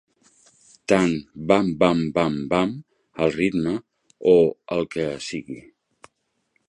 Tant "bam-bam-bam-bam" al ritme o el que sigui.